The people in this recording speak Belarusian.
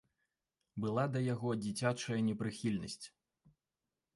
Была да яго дзіцячая непрыхільнасць.